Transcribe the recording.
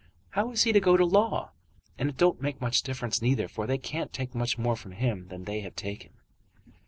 How is he to go to law? And it don't make much difference neither, for they can't take much more from him than they have taken."